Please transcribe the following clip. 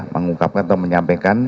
mengungkapkan atau menyampaikan